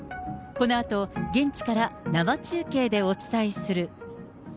このあと、現地から生中継でお伝えする。